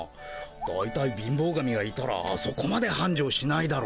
だいたい貧乏神がいたらあそこまではんじょうしないだろ。